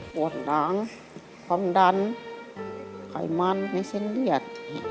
ปวดหลังความดันไขมันในเส้นเลือด